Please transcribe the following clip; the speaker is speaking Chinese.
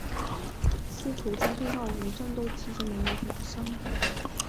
斯图加特号于战斗期间没有受损。